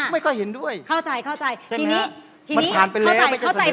ไม่ค่อยเห็นด้วยใช่ไหมคะมันผ่านไปแล้วไม่จะเสนอกฎหมาย